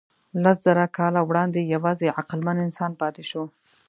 لسزره کاله وړاندې یواځې عقلمن انسان پاتې شو.